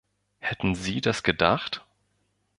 Hätten Sie das gedacht?